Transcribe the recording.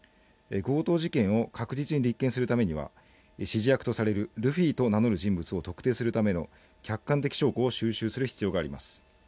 強盗事件を確実に立件するためには指示役とされるルフィと呼ばれる人物を特定するための客観的証拠を収集する必要があります